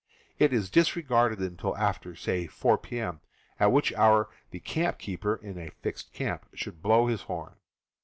It is disregarded until after, say, 4 p.m., at which hour the campkeeper (in a fixed camp) should blow his horn.